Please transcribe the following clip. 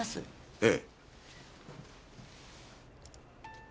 ええ。